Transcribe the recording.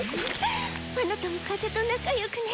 あなたも風と仲良くね。